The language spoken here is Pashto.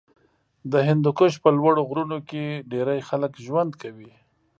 د هندوکش په لوړو غرونو کې ډېری خلک ژوند کوي.